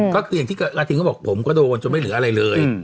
กะทิงก็บอกผมก็โดนจนไม่เหลืออะไรเลย